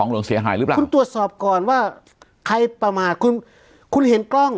หรือเปล่าคุณตรวจสอบก่อนว่าใครประมาทคุณคุณเห็นกล้อง